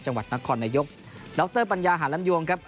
จังหวัดนครนายกดรปัญญาหาลันยวงครับ